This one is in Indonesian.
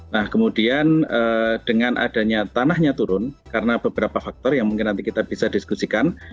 nah kemudian dengan adanya tanahnya turun karena beberapa faktor yang mungkin nanti kita bisa diskusikan